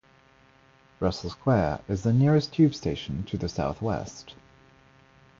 Russell Square is the nearest tube station to the south-west.